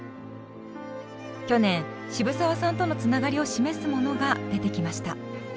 去年渋沢さんとのつながりを示すものが出てきました。